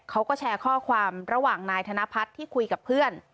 เขาก็แชร์ข้อความระหว่างนายธนพัฒน์ที่คุยกับเพื่อน